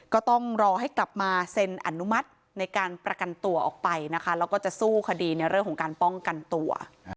ก็ต้องรอให้กลับมาเซ็นอนุมัติในการประกันตัวออกไปนะคะแล้วก็จะสู้คดีในเรื่องของการป้องกันตัว